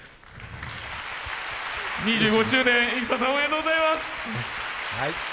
２５周年、ＩＳＳＡさんおめでとうございます。